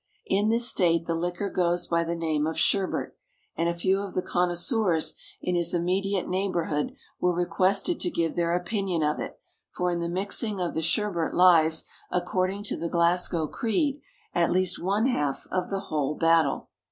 In this state the liquor goes by the name of sherbet, and a few of the connoisseurs in his immediate neighbourhood were requested to give their opinion of it for in the mixing of the sherbet lies, according to the Glasgow creed, at least one half of the whole battle.